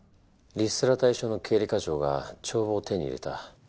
リストラ対象の経理課長が帳簿を手に入れた。